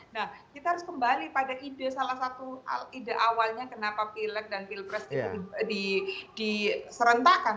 nah kita harus kembali pada ide salah satu ide awalnya kenapa pilek dan pilpres itu diserentakkan